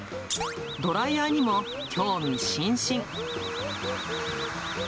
ドライヤーにも興味津々。